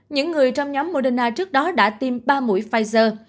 những người trong nhóm moderna trước đó đã tiêm ba mũi pfizer